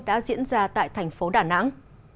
đã diễn ra tại thành phố đà nẵng